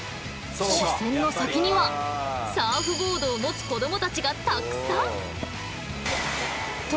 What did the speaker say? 視線の先にはサーフボードを持つ子供たちがたくさん。